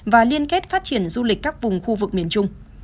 và liên kết phát triển du lịch các vùng khu vực miền trung